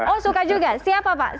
oh suka juga siapa pak